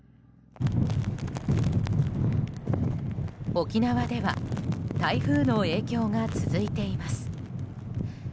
沖縄では台風の影響が続いています。